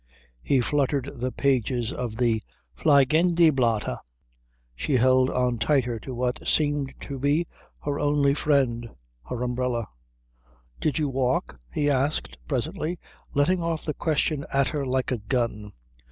He fluttered the pages of the Fliegende Blätter; she held on tighter to what seemed to be her only friend, her umbrella. "Did you walk?" he asked presently, letting off the question at her like a gun.